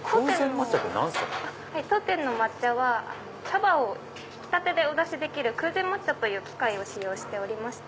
当店の抹茶は茶葉をひきたてでお出しできる空禅抹茶という機械を使用しておりまして。